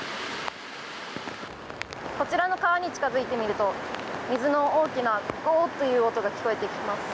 こちらの川に近づいてみると水の大きなゴーという音が聞こえてきます。